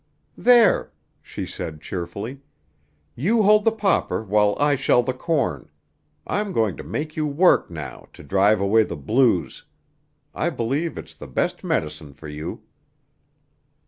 "There," she said, cheerfully, "you hold the popper while I shell the corn. I am going to make you work now, to drive away the blues. I believe it's the best medicine for you."